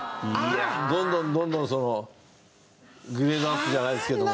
どんどんどんどんそのグレードアップじゃないですけども。